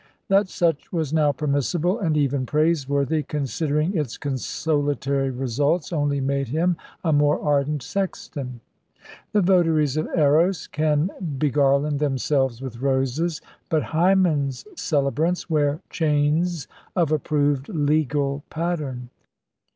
That such was now permissible, and even praiseworthy, considering its consolatory results, only made him a more ardent sexton. The votaries of Eros can begarland themselves with roses, but Hymen's celebrants wear chains of approved legal pattern.